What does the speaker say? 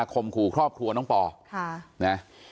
คมขู่ครอบครัวน้องปอค่ะนะ